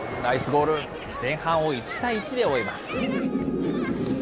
前半を１対１で終えます。